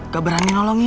gak berani nolongin